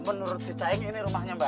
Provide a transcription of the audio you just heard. menurut si caing ini rumahnya mbak